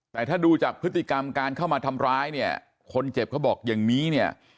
แต่ถ้าดูจากพฤติกรรมการเข้ามาทำร้ายเนี่ยคนเจ็บเขาบอกอย่างนี้เนี่ย